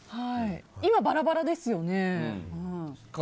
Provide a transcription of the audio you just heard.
今、バラバラですよね。